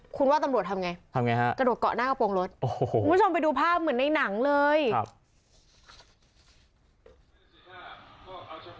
คุณว่าตำรวจทำไงจะดวดเกาะหน้ากระโปรงรถคุณว่าตำรวจทำไงทำไงฮะ